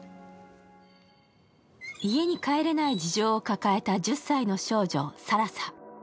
家に帰れない事情を抱えた１０歳の少女、更紗。